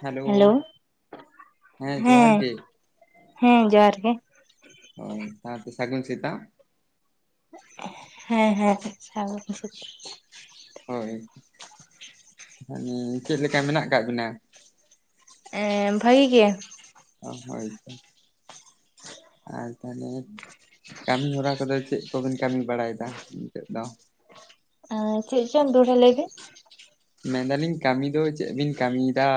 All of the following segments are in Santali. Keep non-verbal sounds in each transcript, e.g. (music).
ᱦᱮᱞᱳ ᱦᱮᱸ ᱡᱚᱦᱟᱨ ᱜᱮ᱾ ᱦᱮᱸ ᱡᱚᱦᱟᱨ ᱜᱮ ᱦᱳᱭ ᱥᱟᱶᱛᱮ ᱥᱟᱹᱜᱩᱱ ᱥᱮᱛᱟᱜ᱾ ᱦᱮᱸ ᱦᱮᱸ ᱥᱟᱹᱜᱩᱱ ᱥᱮᱛᱟᱜ᱾ ᱦᱳᱭ ᱤᱧᱻ ᱪᱮᱫ ᱞᱮᱠᱟ ᱢᱮᱱᱟᱜ ᱠᱟᱜ ᱵᱤᱱᱟ? ᱮᱸ ᱵᱷᱟᱹᱜᱤ ᱜᱮ᱾ ᱚ ᱦᱳᱭᱛᱚ ᱟᱨ ᱛᱟᱦᱚᱞᱮ ᱠᱟᱹᱢᱤ ᱦᱚᱨᱟ ᱠᱚᱫᱚ ᱪᱮᱫ ᱠᱚᱵᱤᱱ ᱠᱟᱹᱢᱤ ᱵᱟᱲᱟᱭᱮᱫᱟ ᱱᱤᱛᱳ ᱫᱚ? ᱪᱮᱫ ᱪᱚᱝ ᱫᱚᱲᱦᱟ ᱞᱟᱹᱭᱵᱮᱱ? ᱢᱮᱱᱫᱟᱞᱤᱧ ᱠᱟᱹᱢᱤ ᱫᱚ ᱪᱮᱫ ᱵᱤᱱ ᱠᱟᱹᱢᱤᱫᱟ?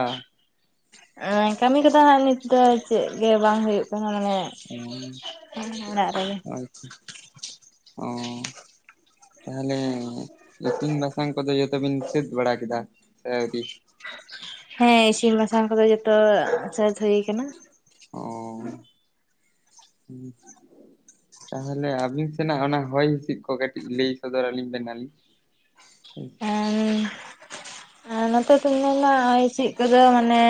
ᱮᱸ ᱠᱟᱹᱢᱤ ᱠᱚᱫᱚ ᱦᱟᱸᱜ ᱱᱤᱛ ᱫᱚ ᱪᱮᱫ ᱜᱮ ᱵᱟᱝ ᱦᱩᱭᱩᱜ ᱠᱟᱱᱟ᱾ (inaudible) ᱢᱟᱱᱮ ᱚᱲᱟᱜ ᱨᱮᱜᱮ᱾ ᱟᱪ (unintelligible) ᱚ ᱛᱟᱦᱚᱞᱮ ᱮᱥᱤᱱ ᱵᱟᱥ ᱥᱟᱝ ᱠᱚᱫᱚ ᱡᱚᱛᱚᱚᱵᱤᱱ ᱥᱟᱹᱛ ᱵᱟᱲᱟ ᱠᱮᱫᱟ ᱥᱮ ᱟᱹᱣᱨᱤ? ᱦᱮᱸ ᱤᱥᱤᱱ ᱵᱟᱥᱟᱝ ᱠᱚᱫᱚ ᱡᱚᱛᱚ ᱥᱟᱹᱫ ᱦᱩᱭ ᱠᱟᱱᱟ᱾ ᱚ (unintelligible) ᱛᱟᱦᱚᱞᱮ ᱟᱵᱤᱱ ᱥᱮᱱᱟᱜ ᱚᱱᱟ ᱦᱚᱭ ᱦᱤᱤᱥᱤᱫ ᱠᱚ ᱠᱟᱹᱴᱤᱡ ᱞᱟᱹᱭ ᱥᱚᱫᱚᱨ ᱟᱹᱞᱤᱧ ᱵᱮᱱᱟᱞᱤᱧ, ᱦᱮᱸ ᱟ ᱱᱚᱛᱮ ᱩᱧ ᱢᱮᱱᱟ ᱦᱚᱭ ᱦᱸᱤᱥᱤᱫ ᱠᱚᱫᱚ ᱢᱟᱱᱮ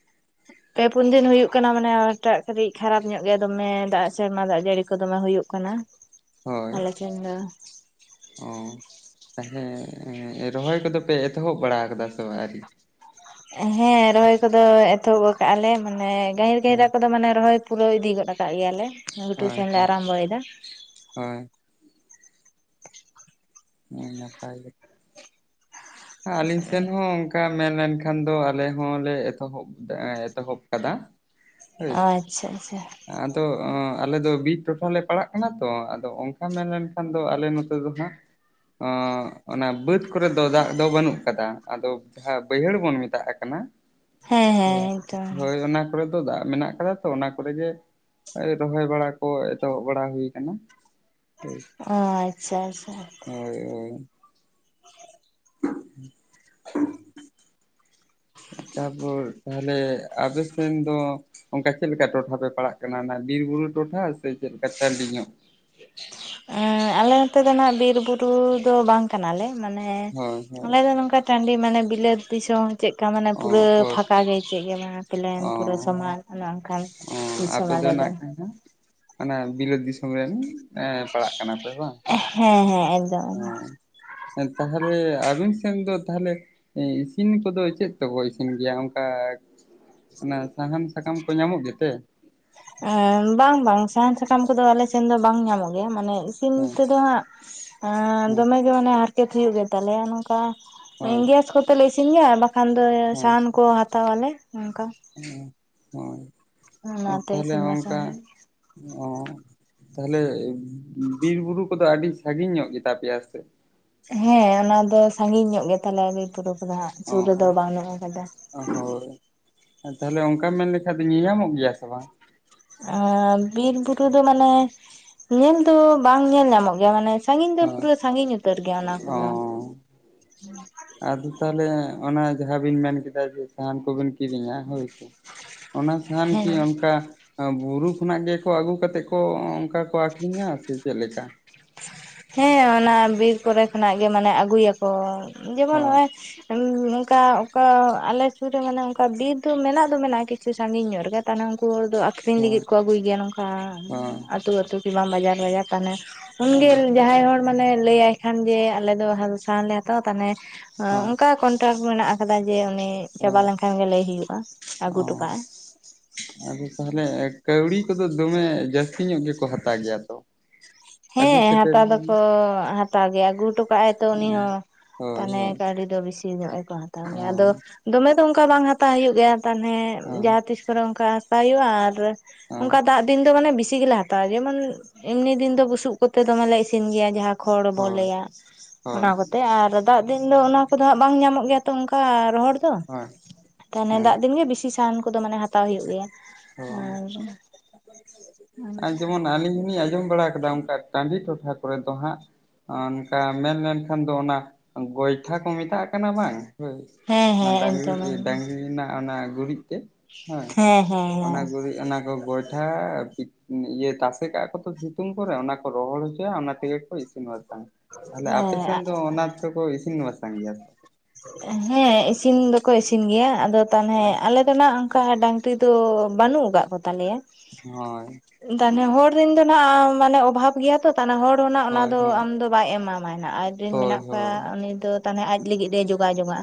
ᱦ (inaudible) ᱯᱮ ᱯᱩᱱ ᱫᱤᱱ ᱦᱩᱭᱩᱜ ᱠᱟᱱᱟ ᱢᱟᱱᱮᱴᱟᱜ ᱠᱟᱹᱴᱤᱡ ᱠᱷᱟᱨᱟᱯ ᱧᱚᱜ ᱜᱮ ᱫᱚᱢᱮ ᱫᱟᱜ ᱥᱮᱨᱢᱟ ᱫᱟᱜ ᱡᱟᱹᱲᱤ ᱠᱚ ᱫᱚᱢᱮ ᱦᱩᱭᱩᱜ ᱠᱟᱱᱟ ᱟᱞᱮ ᱴᱷᱮᱱ ᱫᱚ ᱚᱸ ᱦᱮᱸᱻ ᱨᱚᱦᱚᱭ ᱠᱚᱫᱚ ᱯᱮ ᱮᱛᱚᱦᱚᱵ ᱵᱟᱲᱟ ᱠᱟᱫᱟ ᱥᱮ ᱵᱟᱝ ᱟᱨᱤ? ᱦᱮᱸ ᱨᱚᱦᱚᱭ ᱠᱚᱫᱚ ᱮᱛᱚᱦᱚᱵ ᱟᱠᱟᱜᱼᱟ ᱞᱮ ᱢᱟᱱᱮ ᱜᱟᱹᱦᱤᱨ ᱦᱮᱸ ᱜᱟᱹᱦᱤᱨᱟᱜ ᱠᱚᱫᱚ ᱢᱟᱱᱮ ᱨᱚᱦᱚᱭ ᱯᱩᱨᱟᱹᱣ ᱤᱫᱤ ᱜᱚᱫ ᱟᱠᱟᱫ ᱜᱮᱭᱟᱞᱮ ᱜᱩᱴᱩ ᱦᱳᱭ ᱥᱮᱱᱞᱮ ᱟᱨᱟᱢᱵᱚᱭᱮᱫᱟ ᱦᱳᱭ ᱦᱮᱸ ᱱᱟᱯᱟᱭ ᱜᱮ ᱟᱹᱞᱤᱧ ᱥᱮᱱ ᱦᱚᱸ ᱚᱧ ᱚᱱᱠᱟ ᱢᱮᱱ ᱞᱮᱱᱠᱷᱟᱱ ᱫᱚ ᱟᱞᱮ ᱦᱚᱸᱞᱮ ᱮᱛᱚᱦᱚᱵ ᱫᱟ ᱮᱛᱚᱦᱚᱵ ᱠᱟᱫᱟ ᱦᱳᱭ ᱟ ᱪᱷᱟ ᱪᱷᱟ᱾ ᱟᱫᱚ ᱟᱞᱮ ᱫᱚ ᱵᱤᱨ ᱴᱚᱴᱷᱟᱞᱮ ᱯᱟᱲᱟᱜ ᱠᱟᱱᱟ ᱛᱚ ᱟᱫᱚ ᱚᱱᱠᱟ ᱢᱮ-ᱢᱮᱱ ᱠᱷᱟᱱ ᱫᱚ ᱟᱞᱮ ᱱᱚᱛᱮ ᱫᱚ ᱦᱟᱸᱜ ᱚᱸ ᱚᱱᱟ ᱵᱟᱹᱫᱽ ᱠᱚᱨᱮ ᱫᱚ ᱫᱟᱜ ᱫᱚ ᱵᱟᱹᱱᱩᱜ ᱟᱠᱟᱫᱟ ᱟᱫᱚ ᱡᱟᱦᱟᱸ ᱵᱟᱹᱭᱦᱟᱹᱲ ᱵᱚᱱ ᱢᱮᱛᱟᱜ ᱠᱟᱱᱟ᱾ ᱦᱮᱸ ᱦᱮᱸ (unintelligible) ᱮᱠᱫᱚᱢ ᱦᱳᱭ ᱚᱱᱟ ᱠᱚᱨᱮ ᱫᱚ ᱫᱟᱜ ᱢᱮᱱᱟᱜ ᱠᱟᱫᱟ ᱛᱚ ᱚᱱᱟ ᱠᱚᱨᱮ ᱜᱮ ᱦᱳᱭ ᱨᱚᱦᱚᱭ ᱵᱟᱲᱟ ᱠᱚ ᱮᱛᱚᱦᱚᱵ ᱵᱟᱲᱟ ᱦᱩᱭ ᱟᱠᱟᱱᱟ᱾ ᱚ ᱟᱪᱪᱷᱟ ᱪᱷᱟ᱾ ᱦᱳᱭ ᱦᱳᱭ (inaudible) ᱛᱟᱯᱚᱨ ᱛᱟᱦᱞᱮ ᱟᱯᱮ ᱥᱮᱱ ᱫᱚ ᱚᱱᱠᱟ ᱪᱮᱫ ᱞᱮᱠᱟ ᱴᱚᱴᱷᱟ ᱯᱮ ᱯᱟᱲᱟᱜ ᱠᱟᱱᱟ ᱚᱱᱟ ᱵᱤᱨᱵᱩᱨᱩ ᱴᱚᱴᱷᱟ ᱥᱮ ᱪᱮᱫᱠᱟ ᱴᱟᱺᱰᱤ ᱧᱚᱜ? ᱮᱸᱻ ᱟᱞᱮ ᱱᱚᱛᱮ ᱫᱚ ᱱᱟᱜ ᱵᱤᱨ ᱵᱩᱨᱩ ᱫᱚ ᱵᱟᱝ ᱠᱟᱱᱟᱞᱮ ᱢᱟᱱᱮ ᱦᱳᱭ ᱦᱳᱭ ᱟᱞᱮ ᱫᱚ ᱱᱚᱝᱠᱟ ᱴᱟᱺᱰᱤ ᱢᱟᱱᱮ ᱵᱤᱞᱟᱹᱛ ᱫᱤᱥᱚᱢ ᱪᱮᱫᱠᱟ ᱢᱟᱱᱮ ᱚ ᱯᱩᱨᱟᱹ ᱦᱳᱭ ᱯᱷᱟᱸᱠᱟ ᱜᱮ ᱪᱮᱫ ᱜᱮ ᱢᱟᱱᱮ ᱯᱟᱞᱮᱱ ᱚ ᱯᱩᱨᱟᱹ ᱥᱚᱢᱟᱱ ᱚᱱᱮ ᱚᱱᱠᱟᱱ ᱚ (unintelligible) ᱟᱯᱮ ᱟᱞᱮ ᱫᱚ ᱱᱟᱜ ᱠᱷᱟᱱ ᱦᱟᱸᱜ ᱚᱱᱟ ᱵᱤᱞᱟᱹᱛ ᱫᱤᱥᱚᱢ ᱨᱮᱱ ᱮᱸ ᱯᱟᱲᱟᱜ ᱠᱟᱱᱟ ᱯᱮ ᱵᱟᱝ ᱮᱭ ᱦᱮᱸ ᱦᱮᱸ ᱮᱠᱫᱚᱢ ᱮᱠᱫᱚᱢ ᱚᱸ ᱛᱟᱦᱚᱞᱮ ᱟᱹᱵᱤᱱ ᱥᱮᱱ ᱫᱚ ᱛᱟᱦᱚᱞᱮ ᱤᱥᱤᱱ ᱠᱚᱫᱚ ᱪᱮᱫ ᱛᱮᱠᱚ ᱤᱥᱤᱱ ᱜᱮᱭᱟ? ᱚᱱᱠᱟ ᱚᱱᱟ ᱥᱟᱦᱟᱱ ᱥᱟᱠᱟᱢ ᱠᱚ ᱧᱟᱢᱚᱜ ᱜᱮᱛᱮ ᱮᱸ ᱵᱟᱝ ᱵᱟᱝ ᱥᱟᱦᱟᱱ ᱥᱟᱠᱟᱢ ᱠᱚᱫᱚ ᱟᱞ ᱥᱮᱱ ᱫᱚ ᱵᱟᱝ ᱧᱟᱢᱚᱜ ᱜᱮᱭᱟ ᱢᱟᱱᱮ ᱤᱥ ᱤᱱ ᱦᱮᱸ ᱛᱮᱫᱚ ᱦᱟᱸᱜ ᱮᱸ ᱦᱮᱸ ᱫᱚᱢᱮ ᱜᱮ ᱢᱟᱱᱮ ᱦᱟᱨᱠᱮᱛ ᱦᱩᱭᱩᱜ ᱜᱮ ᱛᱟᱞᱮᱭᱟ ᱱᱚᱝᱠᱟ ᱦᱳᱭ ᱚᱱᱠᱟ ᱜᱮᱥ ᱠᱚᱛᱮᱞᱮ ᱤᱥᱤᱱ ᱜᱮᱭᱟ ᱵᱟᱠᱷᱟᱱ ᱫᱚ ᱦᱮᱸ ᱥᱟᱦᱟᱱ ᱠᱚ ᱦᱟᱛᱟᱣᱟᱞᱮ ᱚᱱᱠᱟ (inaudible) (inaudible) ᱦᱳᱭ ᱚᱱᱟᱛᱮ ᱛᱟᱦᱞᱮ ᱤᱥᱤᱱ ᱚᱱᱠᱟ ᱵᱟᱥᱟᱝ ᱦᱩᱭᱩᱜ ᱚ ᱛᱟᱦᱚᱞᱮ ᱵᱤᱨ ᱵᱩᱨᱩ ᱠᱚᱫᱚ ᱟᱹᱰᱤ ᱥᱟᱺᱜᱤᱧ ᱧᱚᱜ ᱜᱮᱛᱟ ᱯᱮᱭᱟ ᱥᱮ? ᱦᱮᱸ ᱚᱱᱟ ᱫᱚ ᱥᱟᱺᱜᱤᱧ ᱧᱚᱜ ᱜᱮ ᱛᱟᱞᱮᱭᱟ ᱵᱤᱨ ᱯᱚᱨᱚᱵᱽ ᱫᱚ ᱦᱟᱜ ᱚ ᱥᱩᱨ ᱨᱮᱫᱚ ᱵᱟᱹᱱᱩᱜ ᱟᱠᱟᱫᱟ ᱦᱳᱭ ᱛᱟᱦᱚᱞᱮ ᱚᱱᱠᱟᱢ ᱢᱮᱱ ᱞᱮᱠᱷᱟᱡ ᱫᱚ ᱧᱮᱧᱟᱢᱚᱜ ᱜᱮᱭᱟ ᱥᱮ ᱵᱟᱝ? ᱮᱸ ᱵᱤᱨ ᱵᱩᱨᱩ ᱫᱚ ᱢᱟᱱᱮ ᱧᱮᱞ ᱫᱚ ᱵᱟᱝ ᱧᱮᱞ ᱧᱟᱢᱚᱜ ᱜᱮᱭᱟ ᱢᱟᱱᱮ ᱥᱟᱺᱜᱤᱧ ᱫᱚ ᱦᱳᱭ ᱯᱩᱨᱟᱹ ᱥᱟᱺᱜᱤᱧ ᱩᱛᱟᱹᱨ ᱜᱮᱭᱟ ᱚᱱᱟ ᱚ ᱠᱚᱫᱚ ᱟᱫᱚ ᱛᱟᱦᱚᱞᱮ ᱚᱱᱟ ᱡᱟᱦᱟᱸ ᱵᱤᱱ ᱢᱮᱱᱠᱮᱫᱟ ᱡᱮ ᱥᱟᱦᱟᱱ ᱠᱚᱵᱤᱱ ᱠᱤᱨᱤᱧᱟ ᱦᱳ ᱭᱥᱮ ᱚᱱᱟ ᱥᱟᱦᱟᱱ ᱠᱤ ᱦᱮᱸ ᱚᱱᱠᱟ ᱵᱩᱨᱩ ᱠᱷᱚᱱᱟᱜ ᱜᱮᱠᱚ ᱟᱹᱜᱩ ᱠᱟᱛᱮᱫ ᱠᱚ ᱚᱱᱠᱟ ᱠᱚ ᱟᱠᱷᱨᱤᱧᱟ ᱥᱮ ᱪᱮᱫ ᱞᱮᱠᱟ? ᱦᱮᱸ ᱚᱱᱟ ᱵᱤᱨ ᱠᱚᱨᱮ ᱠᱷᱚᱱᱟᱜ ᱜᱮ ᱢᱟᱱᱮ ᱟᱹᱜᱩᱭᱟᱠᱚ ᱡᱮᱢᱚᱱ ᱦᱳᱭ ᱱᱚᱜᱼᱚᱭ (unintelligible) ᱚᱱᱠᱟ ᱚᱠᱟ ᱟᱮ ᱥᱩᱨ ᱨᱮ ᱢᱟᱱᱮ ᱚᱱᱠᱟ ᱚᱱᱠᱟ ᱚᱠᱟ ᱟᱞᱮᱥᱮᱫ ᱨᱮ ᱢᱟᱱᱮ ᱚᱱᱠᱟ ᱵᱤᱨ ᱫᱚ ᱢᱮᱱᱟᱜ ᱫᱚ ᱢᱮᱱᱟᱜᱼᱟ ᱠᱤᱪᱷᱩ ᱥᱟᱺᱜᱤᱧ ᱧᱚᱜ ᱨᱮᱜᱮ ᱛᱟᱦᱚᱞᱮ ᱩᱱᱠᱩ ᱦᱚᱲ ᱫᱚ ᱟᱠᱷᱨᱤᱧ ᱦᱳᱭ ᱞᱟᱹᱜᱤᱫ ᱠᱚ ᱟᱹᱜᱩᱭ ᱜᱮᱭᱟ ᱱᱚᱝᱠᱟ ᱦᱳᱭ ᱟᱹᱛᱩ ᱟᱹᱛᱩ ᱠᱤ ᱵᱟᱝ ᱵᱟᱡᱟᱨ ᱵᱟᱡᱟᱨ ᱛᱟᱦᱚᱞᱮ ᱩᱱᱜᱮ ᱡᱟᱦᱟᱸᱭ ᱦᱚᱲ ᱢᱟᱱᱮ ᱞᱟᱹᱭᱟᱭ ᱠᱷᱟᱱ ᱡᱮ ᱟᱞᱮ ᱫᱚ ᱦᱟᱞ ᱥᱟ ᱞᱮ ᱦᱟᱛᱟᱣᱟ ᱛᱟᱦᱮ ᱦᱳᱭ ᱚᱱᱠᱟ ᱴᱟᱠ ᱢᱮᱱᱟᱜ ᱟᱠᱟᱫᱟ ᱡᱮ ᱩᱱᱤ ᱪᱟᱵᱟ ᱦᱳᱭ ᱞᱮᱱᱠᱷᱟᱱ ᱜᱮ ᱞᱟᱹᱭ ᱦᱳᱭᱳᱜᱼᱟ ᱟᱹᱜᱩ ᱚ ᱦᱚᱴᱚᱠᱟᱜᱼᱟᱭ ᱟᱫᱚ ᱛᱟᱦᱚᱞᱮ ᱠᱟᱹᱣᱲᱤ ᱠᱚᱫᱚ ᱫᱚᱢᱮ ᱡᱟᱹᱥᱛᱤ ᱟᱠᱠᱷᱨᱤ ᱧᱚᱜ ᱜᱮᱠᱚ ᱦᱟᱛᱟᱣ ᱜᱮᱭᱟ ᱛᱚ ᱟᱹᱜᱩ ᱦᱮᱸ ᱥᱮᱴᱮᱨ ᱦᱟᱛᱟᱣ ᱨᱮᱱᱟᱜ ᱫᱚᱠᱚ ᱦᱟᱛᱟᱣ ᱜᱮᱭᱟ ᱟᱹᱜᱩ ᱦᱚᱴᱚ ᱠᱟᱜ ᱟᱭ ᱛᱚ ᱩᱱᱤ ᱦᱚᱸ ᱦᱳᱭ ᱦᱳᱭ ᱛᱮ (unintelligible) ᱟᱞᱩ ᱫᱚ ᱵᱤᱥᱤ ᱧᱚᱜ ᱜᱮᱠᱚ ᱦᱟᱛᱟᱣ ᱜᱮᱭᱟ ᱟᱫᱚ ᱦᱳᱭ ᱫᱚᱢᱮ ᱫᱚ ᱚᱱᱠᱟ ᱵᱟᱝ ᱦᱟᱛᱟᱣ ᱦᱩᱭᱩᱜ ᱜᱮᱭᱟ ᱛᱟᱱᱮ ᱦᱳᱭ ᱡᱟᱦᱟᱸ ᱛᱤᱥ ᱠᱚᱨᱮ ᱚᱱᱠᱟ ᱦᱟᱥᱟ ᱦᱩᱭᱩᱜᱼᱟ ᱟᱫᱚ ᱚᱱᱠᱟ ᱫᱟᱜ ᱫᱤᱱ ᱫᱚ ᱢᱟᱱᱮ ᱵᱤᱥᱤ ᱜᱮᱞᱮ ᱦᱟᱛᱟᱣᱟ ᱡᱮᱢᱚᱱ ᱮᱢᱱᱤ ᱫᱤᱱ ᱫᱚ ᱵᱩᱥᱩᱜ ᱠᱚᱛᱮ ᱫᱚᱢᱮ ᱞᱮ ᱤᱥᱤᱱ ᱜᱮᱭᱟ ᱠᱷᱚᱲ ᱵᱚ ᱦᱳᱭ ᱞᱟᱹᱭᱟ ᱦᱳᱭ ᱚᱱᱟ ᱠᱚᱛᱮ ᱛᱮ ᱟᱨ ᱫᱟᱜ ᱫᱤᱱ ᱫᱚ ᱚᱱᱟ ᱠᱚᱫᱚ ᱦᱟᱸᱜ ᱵᱟᱝ ᱧᱟᱢᱚᱜ ᱜᱮᱭᱟ ᱛᱚ ᱚᱱᱠᱟ ᱨᱚᱦᱚᱲ ᱛᱚ ᱦᱳᱭ ᱛᱟᱦᱟᱱᱮ ᱦᱳᱭ ᱫᱟᱜ ᱫᱤᱱ ᱜᱮ ᱵᱤᱥᱤ ᱥᱟᱦᱟᱱ ᱠᱚᱫᱚ ᱢᱟᱱᱮ ᱦᱟᱠ ᱟᱨ ᱡᱮᱢᱚᱱ ᱟᱹᱞᱤᱧ ᱦᱚᱸᱞᱤᱧ ᱟᱸᱡᱚᱢ ᱵᱟᱲᱟ ᱚᱱᱠᱟ ᱴᱟᱺᱰᱤ ᱴᱚᱴᱷᱟ ᱠᱚᱨᱮ ᱫᱚ ᱦᱟᱸᱜ ᱚᱱᱠᱟ ᱢᱮᱱᱞᱱᱠᱷᱟᱱ ᱫᱚ ᱚᱱᱟ ᱜᱚᱭᱴᱷᱟ ᱠᱚ ᱢᱮᱛᱟᱜ ᱠᱟᱱᱟ ᱵᱟᱝ ᱦᱳᱭ ᱦᱮᱸ ᱚᱱᱟ ᱦᱮᱸ ᱰᱟᱝᱨᱤ ᱮᱠᱫᱚᱢ ᱦᱮᱸ ᱰᱟᱝᱨᱤ ᱨᱮᱱᱟᱜ ᱚᱱᱟ ᱜᱩᱨᱤᱡ ᱛᱮ ᱦᱚᱭ ᱦᱮᱸ ᱦᱮᱸ ᱚᱱᱟ ᱜᱩᱨᱤᱡ ᱚᱱᱟ ᱠᱚ ᱜᱚᱡ ᱯᱤᱴᱷᱟ ᱤᱭᱟᱹ ᱛᱟᱥᱮ ᱠᱟᱜ ᱠᱚ ᱛᱚ ᱥᱤᱛᱩᱝ ᱠᱚᱨᱮ ᱚᱱᱟ ᱠᱚ ᱨᱚᱦᱚᱲ ᱦᱚᱪᱚᱭᱟ ᱚᱱᱟ ᱛᱮᱜᱮ ᱠᱚ ᱤᱥᱤᱱ ᱵᱟᱥᱟᱝ ᱛᱟᱦᱚᱞᱮ ᱟᱯᱮ ᱥᱮᱱ ᱫᱚ ᱦᱮᱸ ᱚᱱᱟ ᱛᱮᱠᱚ ᱤᱥᱤᱱ ᱵᱟᱥᱟᱝ ᱜᱮᱭᱟ ᱦᱮᱸ ᱤᱥᱤᱱ ᱫᱚᱠᱚ ᱤᱥᱤᱱ ᱜᱮᱭᱟ ᱟᱫᱚ ᱛᱟᱦᱚᱞᱮ ᱦᱳᱭ ᱟᱞᱮ ᱱᱟᱜ ᱚᱱᱠᱟ ᱰᱟᱝᱨᱤ ᱫᱚ ᱵᱟᱹᱱᱩᱜ ᱟᱠᱟᱫ ᱠᱚ ᱛᱟᱞᱮᱭᱟ ᱦᱳᱹᱭ ᱛᱮ ᱦᱚᱲ ᱨᱮᱱ ᱫᱚ ᱱᱟᱜ ᱢᱟᱱᱮ ᱚᱵᱷᱟᱵ ᱜᱮᱭᱟ ᱛᱚ ᱛᱟᱦᱮ ᱦᱚᱲ ᱦᱚᱸᱱᱟᱜ ᱚᱱᱟ ᱫᱚ ᱦᱳᱭ ᱟᱢ ᱫᱚ (unintelligible) ᱵᱟᱭ ᱮᱢᱟᱢᱟᱭ ᱟᱡᱨᱮᱱ ᱦᱳᱭ ᱢᱮᱱᱟᱜ ᱠᱚᱣᱟ ᱦᱳᱭ ᱩᱱᱤ ᱫᱚ ᱛᱟᱦᱚᱞᱮ ᱟᱡ ᱞᱟᱹᱜᱤᱫ ᱮ ᱡᱳᱜᱟᱡᱳᱼᱟ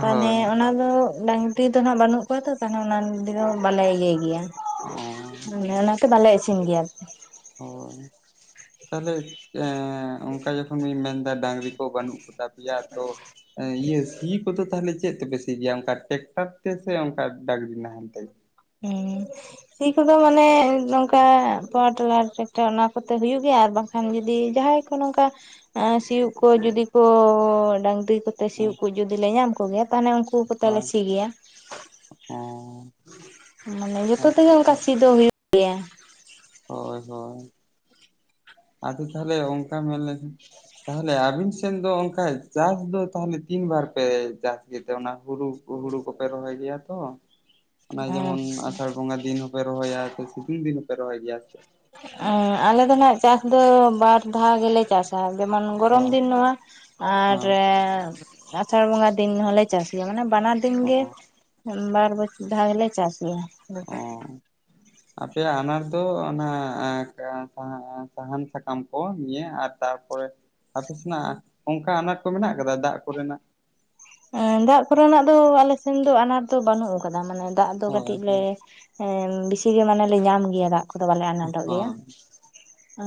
ᱛᱟᱦᱚᱞᱮ ᱚᱱᱟ ᱫᱚ ᱰᱟᱝᱨᱤ ᱫᱚ ᱱᱟᱜ ᱵᱟᱹᱱᱩᱜ ᱠᱚᱣᱟ ᱛᱚ ᱛᱟᱦᱚᱞᱮ ᱚᱱᱟ ᱫᱚ ᱵᱟᱞᱮ ᱤᱭᱟᱹᱭ ᱜᱮᱭᱟ ᱢᱟᱱᱮ ᱚᱱᱟᱛᱮ ᱵᱟᱞᱮ ᱤᱥᱤᱱ ᱜᱮᱭᱟ ᱟᱨᱠᱤ ᱦᱳᱭ ᱛᱟᱦᱚᱞᱮ ᱚᱱᱠᱟ ᱡᱚᱠᱷᱚᱱᱤᱧ ᱢᱮᱱᱫᱟ ᱰᱟᱝᱨᱤ ᱠᱚ ᱵᱟᱹᱱᱩᱜ ᱟᱠᱟᱫᱟ ᱫᱯᱮᱭᱟ ᱛᱚ ᱤᱭᱟᱹ ᱥᱤ ᱠᱚᱫᱚ ᱛᱟᱦᱚᱞᱮ ᱪᱮᱫ ᱛᱮᱯᱮ ᱥᱤ ᱜᱮᱭᱟ ᱚᱱᱠᱟ ᱴᱮᱠᱴᱟᱨ ᱛᱮ ᱥᱮ ᱚᱱᱠᱟ ᱰᱟᱜᱨᱤ ᱱᱟᱦᱮᱞᱛᱮ ᱦᱮᱸ ᱥᱤ ᱠᱚᱫᱚ ᱢᱟᱱᱮ ᱱᱚᱝᱠᱟ ᱯᱟᱣᱟᱨ ᱴᱮᱞᱟᱨ ᱴᱨᱟᱠᱴᱟᱨ ᱚᱱᱟ ᱠᱚᱛᱮ ᱦᱩᱭᱩᱜ ᱜᱮᱭᱟ ᱟᱨ ᱵᱟᱝᱠᱷ ᱡᱩᱫᱤ ᱡᱟᱦᱟᱸᱭ ᱠᱚ ᱱᱚᱝᱠᱟ ᱥᱤᱭᱜ ᱠᱚ ᱡᱩᱫᱤ ᱠᱚ ᱰᱟᱹᱟᱝᱨᱤ ᱠᱚᱛᱮ ᱦᱳᱭ ᱥᱤᱭᱜ ᱠᱚ ᱡᱩᱫᱤ ᱞᱮ ᱧᱟᱢ ᱠᱚᱜᱮᱭᱟ ᱛᱟᱦᱚᱞᱮ ᱩᱱᱠᱩ ᱠᱚ ᱛᱟᱦᱞᱮ ᱞᱮ ᱥᱤ ᱜᱮᱭᱟ ᱦᱮᱸ ᱢᱟᱱᱮ ᱟᱪᱪᱷᱟ ᱡᱚᱛᱚ ᱛᱮᱜᱮ ᱚᱱᱠᱟ ᱥᱤ ᱫᱚ ᱦᱩᱭᱩᱜ ᱜᱮᱭᱟ ᱦᱳᱭ ᱦᱳᱭ ᱟᱫᱚ ᱛᱟᱦᱮ ᱚᱝᱠᱟ ᱢᱮᱞ ᱞᱮ ᱛᱟᱦᱚᱞᱮ ᱟᱵᱤᱱ ᱥᱮᱱ ᱫᱚ ᱚᱱᱠᱟ ᱪᱟᱥ ᱫᱚ ᱛᱟᱦᱚᱞᱮ ᱛᱤᱱ ᱵᱟᱨ ᱯᱮ ᱪᱟᱥ ᱤᱛᱮ ᱚᱱᱟ ᱦᱩᱲᱩ ᱦᱩᱲᱩ ᱠᱚᱯᱮ ᱨᱚᱦᱚᱭ ᱜᱮᱭᱟ ᱛᱚ ᱚᱱᱟ ᱟᱨ ᱡᱮᱢᱚᱱ ᱟᱥᱟᱲ ᱵᱚᱸᱜᱟ ᱫᱤᱱ ᱦᱚᱸᱯᱮ ᱨᱚᱦᱚᱭᱟ ᱥᱮ ᱥᱤᱛᱩᱝ ᱫᱤᱱ ᱦᱚᱸᱯᱮ ᱨᱚᱦᱚᱭ ᱜᱮᱭᱟ ᱥᱮ ᱟᱞᱮ ᱫᱚ ᱱᱟᱜ ᱪᱟᱥ ᱫᱚ ᱵᱟᱨ ᱫᱷᱟᱣ ᱜᱮᱞᱮ ᱪᱟᱥᱟ ᱡᱮᱢᱚᱱ ᱚ ᱜᱚᱨᱚᱢ ᱫᱤᱱ ᱱᱚᱣᱟ ᱟᱨ ᱦᱮᱸ ᱟᱥᱟᱲ ᱵᱚᱸᱜᱟ ᱫᱤᱱ ᱦᱚᱸᱞᱮ ᱪᱟᱥ ᱜᱮᱭᱟ ᱢᱟᱱᱮ ᱵᱟᱱᱟᱨ ᱫᱤᱱ ᱚ ᱜᱮ ᱵᱟᱨ ᱫᱷᱟᱶ ᱜᱮᱞᱮ ᱪᱟᱥ ᱜᱮᱭᱟ ᱚ ᱟᱯᱮᱭᱟᱜ ᱟᱱᱟᱴ ᱫᱚ ᱚᱱᱟ ᱥᱟᱦᱟᱱ ᱥᱟᱠᱟᱢ ᱠᱚ ᱱᱤᱭ ᱟᱨ ᱛᱟᱨᱯᱚᱨᱮ ᱟᱯᱮᱥᱮᱱᱟᱜ ᱚᱱᱠᱟ ᱟᱱᱟᱴ ᱠᱚ ᱢᱮᱱᱟᱜ ᱟᱠᱟᱫᱟ ᱫᱟᱜ ᱠᱚᱨᱮᱱᱟᱜ ᱮᱸ ᱫᱟᱜ ᱠᱚᱨᱮᱱᱟᱜ ᱫᱚ ᱟᱞᱮ ᱥᱮᱱ ᱫᱚ ᱟᱱᱟᱴ ᱫᱚ ᱵᱟᱹᱱᱩᱜ ᱟᱠᱟᱫᱟ ᱢᱟᱱᱮ ᱫᱟᱜ ᱫᱚ ᱦᱳᱭ ᱠᱟᱹᱴᱤᱡ ᱞᱮ ᱦᱳᱭ ᱦᱮᱸ ᱵᱤᱥᱤᱜ ᱜᱮ ᱢᱟᱱᱮ ᱞᱮ ᱧᱟᱢ ᱜᱮᱭᱟ ᱫᱟᱜ ᱩᱱᱠᱩᱫᱚ ᱵᱟᱞᱮ ᱟᱱᱟᱴᱚᱜ ᱦᱳᱭ ᱜᱮᱭᱟ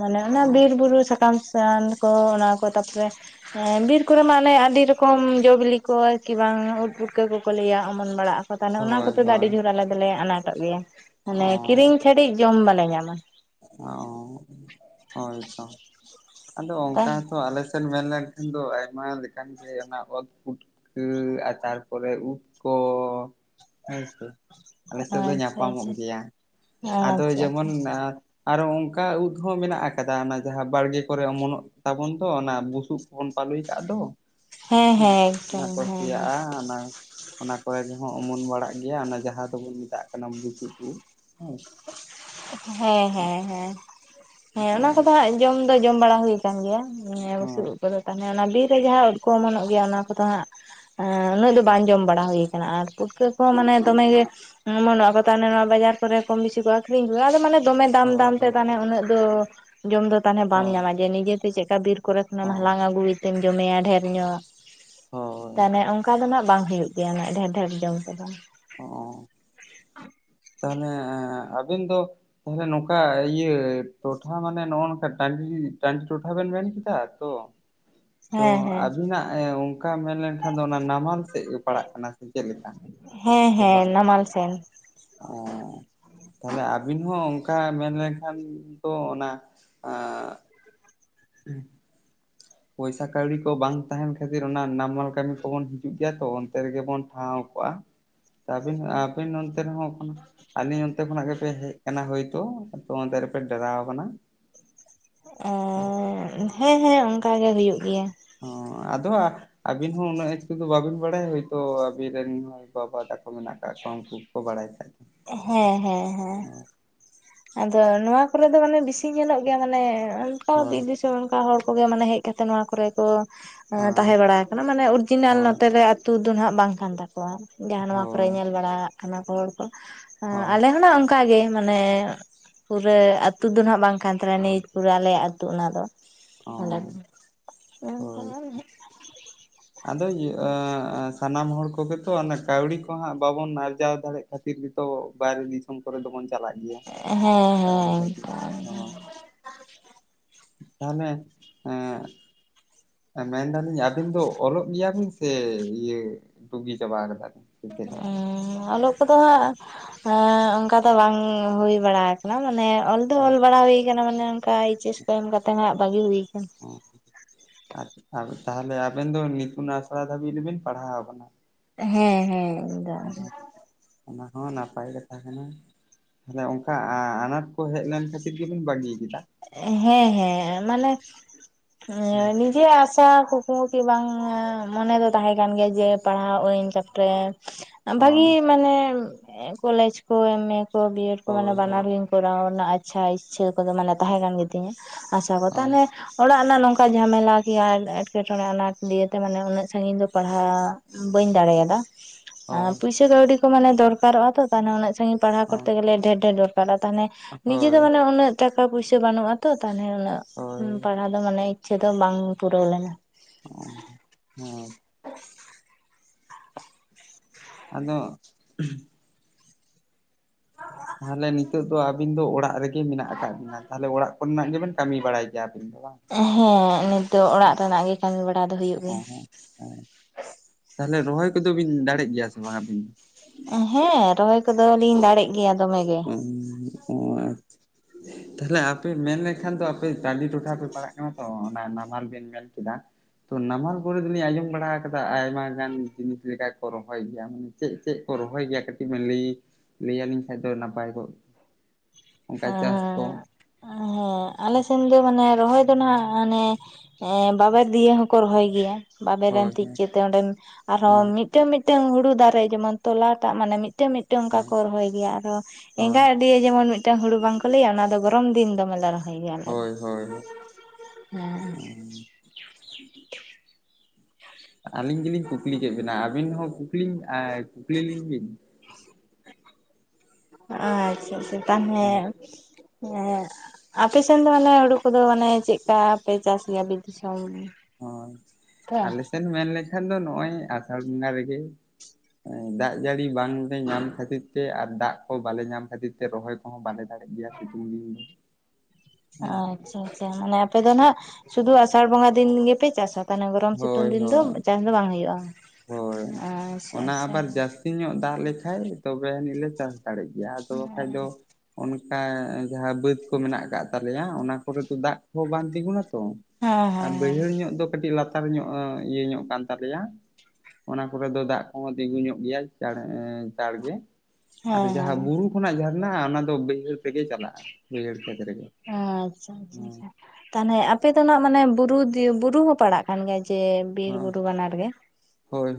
ᱢᱟᱱᱮ ᱚᱱᱟ ᱵᱤᱨ ᱵᱩᱨᱩ ᱥᱟᱠᱟᱢ ᱨᱟᱱ ᱠᱚ ᱚᱱᱟ ᱠᱚ ᱛᱟᱯᱚᱨᱮ ᱵᱤᱨ ᱠᱚᱨᱮ ᱢᱟ ᱚᱱᱮ ᱟᱹᱰᱤ ᱨᱚᱠᱚᱢ ᱡᱚ ᱵᱤᱞᱤ ᱠᱚᱭ ᱠᱤ ᱵᱟᱝ ᱩᱫ ᱯᱩᱴᱠᱟᱹ ᱠᱚᱠᱚ ᱞᱟᱹᱭ-ᱟ ᱚᱢᱚᱱ ᱵᱟᱲᱟᱜᱼᱟ᱾ ᱛᱟᱦᱚᱞᱮ ᱚᱱᱟ ᱦᱳᱭ ᱠᱚᱛᱮ ᱫᱚ ᱟᱹᱰᱤ ᱦᱳᱭ ᱡᱳᱨ ᱟᱞᱮ ᱫᱚᱞᱮ ᱟᱱᱟᱴᱚᱜ ᱜᱮᱭᱟ ᱢᱟᱱᱮ ᱚ ᱠᱤᱨᱤᱧ ᱪᱷᱟᱹᱲᱤᱡ ᱡᱚᱢ ᱵᱟᱞᱮ ᱧᱟᱢᱟ ᱚ ᱦᱳᱭᱛᱚ ᱟᱫᱚ ᱚᱱᱠᱟᱛᱚ ᱟᱪᱪᱷᱟ ᱟᱞᱮ ᱥᱮᱫ ᱢᱮᱱ ᱞᱮᱱᱠᱷᱟᱱ ᱫᱚ ᱟᱭᱢᱟ ᱞᱮᱠᱟᱱ ᱜᱮ ᱚᱱᱟ ᱚᱛ ᱯᱩᱴ ᱩᱸ ᱟ ᱛᱟᱨᱯᱚᱨᱮ ᱩᱵᱽ ᱠᱚ ᱦᱮ ᱥᱮ ᱾ ᱟᱞᱮ ᱥᱮᱫ ᱫᱚ ᱧᱟᱯᱟᱢᱚᱜ ᱟᱪᱪᱷᱟ ᱜᱮᱭᱟ, ᱟᱫᱚ ᱟᱪᱪᱷᱟ ᱡᱮᱢᱚᱱ ᱟᱪᱪᱷᱟ ᱟ ᱟᱨᱚ ᱚᱱᱠᱟ ᱩᱫ ᱦᱚᱸ ᱢᱮᱱᱟᱜ ᱟᱠᱟᱫᱟ ᱚᱱᱟ ᱡᱟᱦᱟᱸ ᱵᱟᱲᱜᱮ ᱠᱚᱨᱮ ᱚᱢᱚᱱᱚᱜ ᱛᱟᱵᱚᱱ ᱛᱚ ᱚᱱᱟ ᱵᱩᱥᱩᱵ ᱵᱚᱱ ᱯᱟᱞᱩᱭ ᱠᱟᱜ ᱫᱚ ᱦᱮᱸ ᱦᱩᱸ ᱦᱮᱸ ᱚᱱᱟ ᱮᱠᱫᱚᱢ ᱠᱚ ᱦᱮᱸ ᱦᱮᱸ ᱥᱮᱭᱟᱜᱼᱟ ᱚᱱᱟ ᱚᱱᱟ ᱠᱚᱨᱮ ᱫᱚ ᱦᱟᱸᱜ ᱚᱢᱚᱱ ᱵᱟᱲᱟᱜ ᱜᱮᱭᱟ ᱚᱱᱟ ᱡᱟᱦᱟᱸ ᱫᱚᱵᱚᱱ ᱢᱮᱛᱟᱜ ᱠᱟᱱᱟ ᱵᱩᱥᱩᱵ ᱩᱜ ᱦᱮᱸ ᱾ ᱦᱮᱸ-ᱦᱮᱸ-ᱦᱮᱸ, ᱦᱮᱸ ᱚᱱᱟ ᱠᱚᱫᱚ ᱦᱟᱸᱜ ᱡᱚᱢ ᱫᱚ ᱡᱚᱢ ᱵᱟᱲᱟ ᱦᱩᱭ ᱠᱟᱱ ᱜᱮᱭᱟ ᱱᱤᱭᱟᱹ ᱵᱩᱥᱩᱵ ᱩᱫ ᱠᱚᱫᱚ ᱛᱟᱦᱚᱞᱮ ᱚᱱᱟ ᱵᱤᱨ ᱨᱮᱜᱮ ᱦᱟᱜ ᱩᱫ ᱠᱚ ᱚᱢᱚᱱᱚᱜ ᱜᱮᱭᱟ ᱚᱱᱟ ᱠᱚᱫᱚ ᱦᱟᱸᱜ ᱾ ᱟᱻ ᱩᱱᱟᱹᱜ ᱫᱚ ᱵᱟᱝ ᱡᱚᱢ ᱵᱟᱲᱟ ᱦᱩᱭ ᱠᱟᱱᱟ ᱟᱨ ᱯᱩᱴᱠᱟᱹ ᱠᱚ ᱢᱟᱱᱮ ᱫᱚᱢᱮ ᱜᱮ ᱚᱢᱚᱱᱚᱜ ᱟᱠᱚ ᱛᱟᱦᱚᱞᱮ ᱱᱚᱣᱟ ᱵᱟᱡᱟᱨ ᱠᱚᱨᱮ ᱠᱚᱢ ᱵᱤᱥᱤ ᱠᱚ ᱟᱹᱠᱷᱨᱤᱧ ᱜᱮᱭᱟ ᱟᱫᱚ ᱢᱟᱱᱮ ᱫᱚᱢᱮ ᱫᱟᱢ ᱫᱟᱢ ᱛᱮ ᱛᱟᱱᱮ ᱩᱱᱟᱹᱜ ᱫᱚ ᱡᱚᱢ ᱫᱚ ᱛᱟᱦᱞᱮ ᱵᱟᱢ ᱧᱟᱢᱟ ᱡᱮ ᱱᱤᱡᱮ ᱛᱮ ᱪᱮᱫ ᱞᱮᱠᱟ ᱵᱤᱨ- ᱠᱚᱨᱮ ᱠᱷᱚᱱᱟᱢ ᱦᱟᱞᱟᱝ ᱟᱹᱜᱩᱭ ᱛᱮᱢ ᱡᱚᱢᱮᱭᱟ ᱰᱷᱮᱨ ᱧᱚᱜ ᱛᱟᱦᱞᱮ ᱚᱝᱠ- ᱛᱟᱦᱞᱮ ᱢᱟ ᱵᱟᱝ ᱦᱩᱭᱩᱜ ᱜᱮᱭᱟ ᱩᱱᱟᱜ ᱰᱷᱮᱨ ᱰᱷᱮᱨ ᱡᱚᱢ ᱛᱮᱫᱚ᱾ ᱚ ᱛᱟᱦᱞᱮ ᱟᱵᱤᱱ ᱫᱚ- ᱛᱟᱦᱞᱮ ᱱᱚᱝᱠᱟ ᱤᱭᱟᱹ ᱴᱚᱴᱷᱟ ᱢᱟᱱᱮ ᱱᱚᱜ ᱚᱭ ᱱᱚᱝᱠᱟ ᱴᱟᱺᱰᱤ ᱴᱟᱺᱰᱤ ᱴᱚᱴᱷᱟ ᱵᱮᱱ ᱢᱮᱱ ᱠᱮᱫᱟ ᱛᱚ᱾ ᱛᱚ ᱦᱮᱸ ᱦᱮᱸ ᱟᱵᱤᱱᱟᱜ ᱮ ᱚᱝᱠᱟ ᱢᱮᱱ ᱞᱮᱱᱠᱷᱟᱱ ᱫᱚ ᱚᱱᱟ ᱱᱟᱢᱟᱞ ᱥᱮᱫ ᱜᱮ ᱯᱟᱲᱟᱜ ᱠᱟᱱᱟ᱾ ᱪᱮᱫ ᱞᱮᱠᱟ? ᱦᱮᱸ ᱥᱮ ᱦᱮᱸ ᱵᱟᱝ ᱱᱟᱢᱟᱞ ᱥᱮᱱ᱾ ᱚ᱾ ᱛᱟᱦᱞᱮ ᱟᱵᱤᱱ ᱦᱚᱸ ᱚᱝᱠᱟ ᱢᱮᱱ ᱞᱮᱱᱠᱷᱟᱱ ᱫᱚ ᱚᱱᱟ- ᱩᱸ ᱾ ᱯᱚᱭᱥᱟ ᱠᱟᱹᱣᱰᱤ ᱠᱚ ᱵᱟᱝ ᱛᱟᱦᱮᱱ ᱠᱷᱟᱹᱛᱤᱨ ᱚᱱᱟ ᱱᱟᱢᱟᱞ ᱠᱟᱹᱢᱤ ᱠᱚᱵᱚᱱ ᱦᱤᱡᱩᱜ ᱜᱮᱭᱟ ᱛᱚ ᱾ ᱛᱮ ᱜᱮ ᱵᱚᱱ ᱴᱷᱟᱶ ᱠᱚᱜᱼᱟ ᱛᱚ ᱟᱵᱤᱱ ᱟᱵᱤᱱ ᱚᱱᱛᱮ ᱨᱮᱦᱚᱸ ᱩᱸ ᱟᱞᱤᱧ ᱚᱱᱛᱮ ᱠᱷᱚᱱᱟᱜ ᱜᱮᱯᱮ ᱦᱮᱡ ᱠᱟᱱᱟ ᱦᱳᱭ ᱛᱳ ᱟᱫᱚ ᱚᱱᱛᱮ ᱨᱮᱯᱮ ᱰᱮᱨᱟᱣ ᱠᱟᱱᱟ ᱾ ᱟᱻ ᱦᱮᱸ-ᱦᱮᱸ ᱚᱝᱠᱟ ᱜᱮ ᱦᱩᱭᱩᱜ ᱜᱮᱭᱟ ᱾ ᱦᱩᱸ ᱟᱫᱚ ᱟᱹᱵᱤᱱ ᱦᱚᱸ ᱩᱱᱟᱹᱜ ᱮᱠᱴᱩ ᱫᱚ ᱵᱟᱵᱤᱱ ᱵᱟᱲᱟᱭᱟ ᱦᱳᱭ ᱛᱳ ᱟᱵᱤᱱ ᱨᱮᱱ ᱵᱟᱵᱟ ᱛᱟᱠ ᱠᱩ ᱢᱮᱱᱟᱜ ᱠᱟᱜ ᱠᱚᱣᱟ ᱩᱱᱠᱩ ᱜᱮᱠᱚ ᱵᱟᱲᱟᱭ ᱠᱷᱟᱡ ᱦᱮᱸ ᱦᱮᱸ ᱦᱮᱸ ᱦᱮᱸ ᱾ ᱟᱫᱚ ᱱᱚᱣᱟ ᱠᱚᱨᱮ ᱫᱚ ᱢᱟᱱᱮ ᱵᱮᱥᱤ ᱧᱮᱞᱚᱜ ᱜᱮᱭᱟ ᱢᱟᱱᱮ ᱚᱱᱠᱟ ᱦᱳᱭ ᱵᱤᱨ ᱫᱤᱥ ᱠᱚ ᱚᱱᱠᱟ ᱦᱚᱲ ᱠᱚᱜᱮ ᱢᱟᱱᱮ ᱦᱮᱡ ᱠᱟᱛᱮ ᱱᱚᱣᱟ ᱠᱚᱨᱮ ᱠᱚ ᱮᱸ ᱦᱮᱸ ᱛᱟᱦᱮᱸ ᱵᱟᱲᱟ ᱟᱠᱟᱱᱟ ᱢᱟᱱᱮ ᱚᱨᱤᱡᱤᱱᱟᱞ ᱦᱳᱭ ᱱᱚᱛᱮ ᱨᱮ ᱟᱛᱳ ᱫᱚ ᱱᱟᱦᱟᱜ ᱵᱟᱝ ᱠᱟᱱ ᱛᱟᱠᱚᱣᱟ ᱾ ᱡᱟᱦᱟᱸ ᱱᱚᱣᱟ ᱠᱚᱨᱮ ᱦᱳᱭ ᱧᱮᱞ ᱵᱟᱲᱟᱼᱟᱜ ᱠᱟᱱᱟ ᱠᱚ ᱦᱚᱲ ᱠᱚ ᱦᱳᱭ ᱟᱞᱮ ᱦᱚᱸ ᱞᱮ ᱚᱱᱠᱟ ᱜᱮ ᱢᱟᱱᱮ ᱯᱩᱨᱟᱹ ᱟᱹᱛᱩ ᱫᱚ ᱱᱟᱦᱟᱜ ᱵᱟᱝ ᱠᱟᱱ ᱛᱟᱞᱮᱭᱟ ᱱᱤᱡ ᱯᱩᱨᱟᱹ ᱟᱞᱮᱭᱟᱜ ᱟᱹᱛᱩ ᱚᱱᱟ ᱫᱚ ᱾ ᱚᱱᱟᱫᱽ ᱚ ᱦᱳᱭ (unintelligible) ᱟᱫᱚ ᱤᱭᱟᱹ ᱮᱸ-ᱮᱸ ᱥᱟᱱᱟᱢ ᱦᱚᱲ ᱠᱚᱜᱮ ᱛᱚ ᱚᱱᱮ ᱠᱟᱹᱣᱰᱤ ᱠᱚ ᱦᱟᱸᱜ ᱵᱟᱵᱚᱱ ᱟᱨᱡᱟᱣ ᱫᱟᱲᱮᱜ ᱠᱷᱟᱹᱛᱤᱨ ᱜᱤᱛᱚ ᱵᱟᱨ ᱫᱤᱥ ᱥᱚᱢ ᱠᱚᱨᱮ ᱫᱚᱵᱚᱱ ᱪᱟᱞᱟᱜ ᱜᱮᱭᱟ ᱦᱮᱸ ᱠᱟᱹᱣᱰᱤ ᱠᱷᱟᱹᱛᱤᱨ ᱚᱱᱠᱟ ᱦᱚᱸ ᱛᱟᱦᱮᱞᱮ ᱮᱸᱜ ᱢᱮᱱ ᱫᱟᱞᱤᱧ ᱟᱹᱵᱤᱱ ᱫᱚ ᱚᱞᱚᱜ ᱜᱮᱭᱟ ᱵᱤᱱ ᱥᱮ ᱤᱭᱟᱹ ᱵᱩᱜᱤ ᱪᱟᱵᱟ ᱠᱟᱫᱟ ᱵᱮᱱ ᱾ ᱮᱻ ᱚᱞᱚ ᱠᱚᱫᱚ ᱦᱟᱜ ᱮ ᱚᱝᱠᱟ ᱫᱚ ᱵᱟᱝ ᱦᱩᱭ ᱵᱟᱲᱟ ᱟᱠᱟᱱᱟ ᱢᱟᱱᱮ ᱚᱞ ᱫᱚ ᱚᱞ ᱚ, ᱵᱟᱲᱟ ᱦᱩᱭ (unintelligible) ᱢᱟᱱᱮ ᱚᱱᱠᱟ ᱮᱭᱤᱪᱮᱥ ᱠᱚ ᱮᱢ ᱠᱟᱛᱮ ᱦᱟᱜ ᱵᱷᱟᱜᱤ ᱦᱩᱭ ᱟᱠᱟᱱᱟ᱾ ᱟᱪ ᱟ ᱛᱟᱦᱟᱞᱮ ᱟᱵᱮᱱ ᱫᱚ ᱱᱤᱛᱩᱱ ᱟᱥᱲᱟ ᱫᱷᱟᱹᱵᱤᱡ ᱫᱚᱵᱤᱱ ᱯᱟᱲᱦᱟᱣ ᱠᱟᱱᱟ ᱾ ᱦᱮᱸ ᱦᱮᱸ ᱾ ᱚ ᱦᱚᱸ ᱚᱱᱟ ᱦᱚᱸ ᱱᱟᱯᱟᱭ ᱠᱟᱛᱷᱟ ᱠᱟᱱᱟ ᱛᱟᱦᱚᱞᱮ ᱚᱱᱠᱟ ᱟ-ᱟᱱᱟᱴ ᱠᱚ ᱦᱮᱡ ᱞᱮᱱ ᱠᱷᱟᱹᱛᱤᱨ ᱜᱮ ᱵᱤᱱ ᱵᱟᱹᱜᱤ ᱠᱮᱫᱟ ᱾ ᱦᱮᱸ-ᱦᱮᱸ ᱢᱟᱱᱮ ᱮ ᱦᱮᱸ ᱢᱤ ᱠᱤᱭᱟᱹ ᱟᱥᱟ ᱠᱩᱠᱢᱩ ᱠᱤ ᱵᱟᱝ ᱮ ᱢᱚᱱᱮ ᱫᱚ ᱛᱟᱦᱮᱸ ᱠᱟᱱ ᱜᱮᱭᱟ ᱡᱮ ᱯᱟᱲᱦᱟᱣ ᱟᱹᱧ ᱛᱟ ᱯᱚᱨᱮ ᱵᱷᱟᱜᱤ ᱦᱳᱭ ᱢᱟᱱᱮ ᱠᱚᱞᱮᱡᱽ ᱠᱚ ᱮᱢᱮ ᱠᱚ ᱵᱤᱭᱮᱰ ᱠᱚ ᱢᱟᱱᱮ ᱦᱳᱭ ᱵᱟᱱᱟᱨ ᱦᱳᱭ ᱞᱤ ᱠᱚᱨᱟᱣ ᱨᱮᱱᱟᱜ ᱟᱪᱪᱷᱟ ᱤᱪᱪᱷᱟᱹ ᱠᱚᱫᱚ ᱢᱟᱱᱮ ᱛᱟᱦᱮᱸ ᱠᱟᱱ ᱜᱮ ᱛᱤᱧᱟ ᱟᱪᱪᱷᱟ ᱠᱚ ᱦᱳᱭ ᱛᱟᱦᱚᱞᱮ ᱚᱲᱟᱜ ᱮᱱᱟᱜ ᱱᱚᱝᱠᱟ ᱡᱷᱟᱢᱮᱞᱟ ᱜᱮᱭᱟ ᱮᱸᱴᱠᱮ-ᱴᱚᱬᱮ ᱟᱱᱟᱴ ᱫᱤᱭᱮ ᱛᱮ ᱢᱟᱱᱮ ᱩᱱᱟᱹᱜ ᱥᱟᱺᱜᱤᱧ ᱫᱚ ᱯᱟᱲᱦᱟᱜ ᱵᱟᱹᱧ ᱫᱟᱲᱮᱭᱟᱫᱟ ᱾ ᱟᱨ ᱦᱳᱭ ᱯᱩᱭᱥᱟᱹ ᱠᱟᱹᱣᱰᱤ ᱠᱚ ᱢᱟᱱᱮ ᱫᱚᱠᱟᱨᱚᱜᱼᱟ ᱛᱚ ᱛᱟᱦᱱᱮ ᱩᱱᱟᱹᱜ ᱥᱟᱺᱜᱤᱧ ᱯᱟᱲᱟᱣ ᱠᱚᱨᱛᱮ ᱜᱮᱞᱮ ᱰᱷᱮᱨ ᱰᱷᱮᱨ ᱫᱚᱨ ᱠᱟᱫᱟ ᱛᱟᱦᱮᱞᱮ ᱱᱤᱡᱮ ᱫᱚ ᱦᱳᱭ ᱢᱟᱱᱮ ᱩᱱᱟᱹᱜ ᱴᱟᱠᱟ ᱯᱩᱭᱥᱟᱹ ᱵᱟᱹᱱᱩᱜᱼᱟ ᱛᱚ ᱛᱟᱦᱟᱞᱮ ᱩᱱᱟᱹᱜ ᱩᱢ ᱦᱳᱭ ᱯᱟᱲᱦᱟ ᱵᱟᱝᱼᱟ ᱢᱟᱱᱮ ᱤᱪᱪᱷᱟᱹ ᱫᱚ ᱵᱟᱝ ᱯᱩᱨᱟᱹᱣ ᱞᱮᱱᱟ ᱾ (inaudible) ᱦᱮᱸ᱾ ᱟᱫᱚ (unintelligible) ᱛᱟᱦᱚᱞᱮ ᱱᱤᱛᱚᱜ ᱫᱚ ᱟᱵᱤᱱ ᱫᱚ ᱚᱲᱟᱜ ᱨᱮᱜᱮ ᱢᱮᱱᱟᱜ ᱟᱠᱟᱫ ᱵᱤᱱᱟ ᱛᱟᱦᱮᱞᱮ ᱚᱲᱟᱜ ᱠᱚ ᱨᱮᱱᱟᱜ ᱜᱮ ᱵᱮᱱ ᱠᱟᱹᱢᱤ ᱵᱟᱲᱟᱭ᱾ (unintelligible) ᱦᱮᱸ ᱱᱤᱛᱚᱜ ᱚᱲᱟᱜ ᱨᱮᱱᱟᱜ ᱜᱮ ᱠᱟᱹᱢᱤ ᱵᱟᱲᱟ ᱫᱚ ᱦᱩᱭᱩᱜ ᱚ ᱜᱮᱭᱟ (inaudible) ᱛᱟᱦᱚᱞᱮ ᱨᱚᱦᱚᱭ ᱠᱚᱫᱚ ᱵᱤᱱ ᱫᱟᱲᱮᱜ ᱜᱮᱭᱟ ᱥᱮ ᱵᱟᱝ ᱟᱹᱵᱤᱱ ᱦᱮᱸᱻ ᱨᱚᱦᱚᱭ ᱠᱚᱫ ᱞᱤᱧ ᱫᱟᱲᱮᱜ ᱜᱮᱭᱟ ᱫᱚᱢᱮ ᱜᱮ ᱩᱢ ᱚᱸ ᱟᱪ ᱛᱟᱦᱟᱞᱮ ᱟᱯᱮ ᱢᱮᱱ ᱞᱮᱠᱷᱟᱱ ᱫᱚ ᱟᱯᱮ ᱴᱟᱺᱰᱤ ᱴᱚᱴᱷᱟ ᱯᱮ ᱯᱟᱲᱟᱜ ᱠᱟᱱᱟ ᱛᱚ ᱚᱱᱟ ᱱᱟᱢᱟᱞ ᱵᱮᱱ ᱢᱮᱱ ᱠᱮᱫᱟ ᱾ ᱛᱚ ᱱᱟᱢᱟᱞ ᱠᱚᱨᱮ ᱫᱚᱞᱤᱧ ᱟᱸᱡᱚᱢ ᱵᱟᱲᱟ ᱟᱠᱟᱫᱟ ᱟᱭᱢᱟ ᱜᱟᱱ ᱡᱤᱱᱤᱥ ᱞᱮᱠᱟ ᱠᱚ ᱨᱚᱦᱚᱭ ᱜᱮᱭᱟ ᱾ ᱪᱮᱜ ᱪᱮᱜ ᱠᱚ ᱨᱚᱦᱚᱭ ᱜᱮᱭᱟ ᱠᱟᱹᱴᱤᱡ ᱵᱤᱱ ᱞᱟᱹᱭ ᱞᱮᱭᱟ ᱞᱤᱧ ᱟᱰᱤ ᱱᱟᱯᱟᱭ ᱠᱚᱜ ᱚᱱᱠᱟ ᱪᱟᱥ ᱠᱚ ᱾ ᱦᱮᱸ ᱟᱞᱮ ᱥᱮᱱ ᱫᱚ ᱢᱟᱱᱮ ᱨᱚᱦᱚᱭ ᱫᱚ ᱱᱟᱦᱟᱜ ᱢᱟᱱᱮ ᱮᱸᱻ ᱵᱟᱵᱮᱨ ᱫᱤᱭᱮ ᱦᱚᱸᱠᱚ ᱨᱚᱦᱚᱭ ᱜᱮᱭᱟ ᱵᱟᱵᱮᱨᱢ ᱦᱳᱭ ᱛᱤᱡ ᱦᱳᱭ ᱠᱮᱫ ᱛᱮ ᱚᱸᱰᱮ ᱟᱨᱦᱚᱸ ᱦᱳᱭ ᱢᱤᱫ ᱢᱤᱫᱴᱟᱝ ᱢᱤᱫᱴᱟᱝ ᱦᱩᱲᱩ ᱫᱟᱨᱮ ᱡᱮᱢᱚᱱ ᱛᱚᱞᱟ ᱴᱟᱜ ᱢᱟᱱᱮ ᱢᱤᱫᱴᱮᱱ ᱢᱤᱫ ᱴᱟᱝ ᱚᱱᱠᱟ ᱦᱮᱸ ᱠᱚ ᱨᱚᱦᱚᱭ ᱜᱮᱭᱟ ᱟᱨᱦᱚᱸ ᱮᱸᱜᱟ ᱦᱳᱭ ᱟᱱᱰᱤᱭᱟᱹ ᱡᱮᱢᱚᱱ ᱢᱤᱫᱴᱟᱝ ᱦᱩᱲᱩ ᱵᱟᱝᱠᱚ ᱞᱟᱹᱭᱟ ᱚᱱᱟ ᱫᱚ ᱜᱚᱨᱚᱢ ᱫᱤᱱ ᱫᱚᱢᱮ ᱞᱮ ᱨᱚᱦᱚᱭᱟ᱾ ᱜᱮᱭᱟᱞᱮ ᱦᱳᱭ ᱦᱳᱭ ᱦᱳᱭ (unintelligible) ᱦᱮᱸ ᱟᱹᱞᱤᱧ ᱜᱮᱞᱤᱧ ᱠᱩᱠᱞᱤ ᱠᱮᱫ ᱵᱤᱱᱟ ᱟᱹᱵᱤᱱ ᱦᱚᱸ ᱠᱩᱠᱞᱤᱧ ᱮᱸ ᱠᱩᱠᱞᱤ ᱞᱤᱧ ᱵᱤᱱ (inaudible) ᱟᱪᱪᱷᱟ ᱟᱪᱪᱷᱟ ᱛᱟᱸᱦᱮ ᱦᱮᱸ ᱟᱯᱮ ᱥᱮᱱ ᱫᱚ ᱢᱟᱱᱮ ᱦᱩᱲᱩ ᱠᱚᱫᱚ ᱢᱟᱱᱮ ᱪᱮᱫᱠᱟ ᱯᱮ ᱪᱟᱥ ᱜᱮᱭᱟ ᱵᱤᱨ ᱫᱤᱥᱚᱢ ᱦᱳᱭ ᱛᱚ ᱟᱞᱮ ᱥᱮᱫ ᱢᱮᱱ ᱞᱮᱠᱷᱟᱱ ᱫᱚ ᱱᱚᱜᱼᱚᱭ ᱟᱥᱟᱲ ᱵᱚᱸᱜᱟ ᱨᱮᱜᱮ ᱫᱟᱜ ᱡᱟᱹᱲᱤ ᱵᱟᱝᱞᱮ ᱧᱟᱢ ᱠᱷᱟᱹᱛᱤᱨ ᱛᱮ ᱟᱨ ᱫᱟᱜ ᱠᱚ ᱵᱟᱞᱮ ᱧᱟᱢ ᱠᱷᱟᱹᱛᱤᱨ ᱛᱮ ᱨᱚᱦᱚᱭ ᱠᱚᱦᱚᱸ ᱵᱟᱞᱮ ᱫᱟᱜ ᱜᱮᱭᱟ ᱥᱤᱛᱩᱝ ᱫᱤᱱ ᱫᱚ ᱦᱮᱸ ᱟᱪᱪᱷᱟ ᱟᱪᱪᱷᱟ ᱢᱟᱱᱮ ᱟᱯᱮ ᱫᱚ ᱱᱟᱦᱟᱜ ᱥᱩᱫᱩ ᱟᱥᱟᱲ ᱵᱚᱸᱜᱟ ᱫᱤᱱ ᱜᱮᱯᱮ ᱪᱟᱥᱟ᱾ ᱛᱟᱦᱚᱞᱮ ᱜᱚᱨᱚᱢ ᱦᱳᱭ ᱥᱤᱛᱩᱝ ᱫᱤᱱ ᱫᱚ ᱦᱳᱭ ᱪᱟᱥ ᱫᱚ ᱵᱟᱝ ᱦᱩᱭᱩᱜᱼᱟ᱾ ᱦᱳᱭ᱾ ᱟᱪᱪᱷᱟ ᱚᱱᱟ ᱟᱪᱪᱷᱟ ᱟᱵᱟᱨ ᱦᱮᱸ ᱡᱟᱹᱥᱛᱤ ᱧᱚᱜ ᱫᱟᱜ ᱞᱮᱠᱷᱟᱡ ᱛᱚᱵᱮ ᱟᱹᱱᱤᱡ ᱞᱮ ᱪᱟᱥ ᱫᱟᱲᱮᱜ ᱜᱮᱭᱟ ᱟᱫᱚ ᱵᱟᱠᱷᱟᱡ ᱫᱚ ᱦᱮᱸ ᱚᱱᱠᱟ ᱡᱟᱦᱟᱸ ᱵᱟᱹᱫ ᱠᱚ ᱢᱮᱱᱟᱜ ᱟᱠᱟᱫ ᱛᱟᱞᱮᱭᱟ ᱚᱱᱟ ᱠᱚᱨᱮ ᱫᱚ ᱫᱟᱜ ᱠᱚᱦᱚᱸ ᱵᱟᱝ ᱛᱤᱸᱜᱩᱱᱟ ᱛᱚ ᱦᱮᱸ ᱟᱨ ᱦᱮᱸ ᱵᱟᱹᱭᱦᱟᱹᱲ ᱧᱚᱜ ᱫᱚ ᱠᱟᱹᱴᱤᱡ ᱞᱟᱛᱟᱨ ᱧᱚᱜ ᱤᱭᱟᱹ ᱧᱚᱜ ᱠᱟᱱ ᱛᱟᱞᱮᱭᱟ ᱚᱱᱟ ᱠᱚᱨᱮ ᱫᱚ ᱫᱟᱜ ᱠᱚᱦᱚᱸ ᱛᱤᱸᱜᱩ ᱧᱚᱜ ᱜᱮᱭᱟ ᱪᱟᱲᱮ ᱪᱟᱲ ᱜᱮ ᱟᱫᱚ ᱡᱟᱦᱟᱸ ᱵᱩᱨᱩ ᱠᱷᱚᱱᱟᱜ ᱡᱷᱟᱨᱱᱟ ᱚᱱᱟ ᱫᱚ ᱵᱟᱹᱭᱦᱟᱹᱲ ᱛᱮᱜᱮ ᱪᱟᱞᱟᱜᱼᱟ ᱵᱟᱹᱭᱦᱟᱹᱲ ᱠᱷᱮᱛ ᱨᱮᱜᱮ᱾ ᱟᱪᱪᱷᱟ ᱟᱪᱪᱷᱟ ᱦᱮᱸ ᱟᱪᱪᱷᱟ ᱛᱟᱦᱚᱞᱮ ᱟᱯᱮ ᱫᱚ ᱦᱟᱜ ᱢᱟᱱᱮ ᱵᱩᱨᱩ ᱵᱩᱨᱩ ᱦᱚᱸ ᱯᱟᱲᱟᱜ ᱟᱞᱮ ᱡᱮᱻ ᱵᱤᱨ ᱵᱩᱨᱩ ᱵᱟᱱᱟᱨ ᱜᱮ ᱦᱳᱭ ᱦᱳᱭ